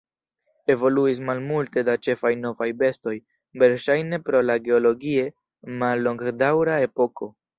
Evoluis malmulte da ĉefaj novaj bestoj, verŝajne pro la geologie mallongdaŭra epoko.